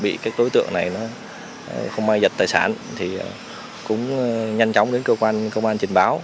khi mà bị đối tượng này không ai giật tài sản thì cũng nhanh chóng đến cơ quan trình báo